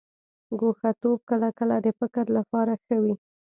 ګوښه توب کله کله د فکر لپاره ښه وي.